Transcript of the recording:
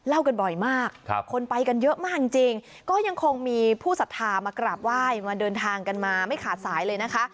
กันบ่อยมากคนไปกันเยอะมากจริงก็ยังคงมีผู้สัทธามากราบไหว้มาเดินทางกันมาไม่ขาดสายเลยนะคะ